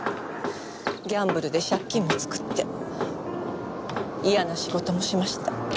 ギャンブルで借金も作って嫌な仕事もしました。